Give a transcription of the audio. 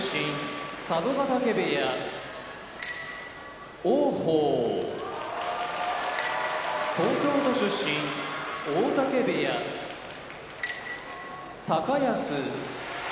部屋王鵬東京都出身大嶽部屋高安